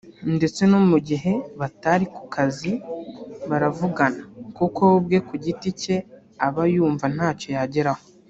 ndetse no mu gihe batari ku kazi baravugana kuko we ubwe ku giti cye aba yumva ntacyo yageraho